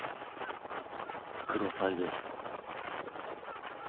クロサイです